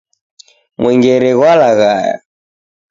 Mwengere ghwalaghaya.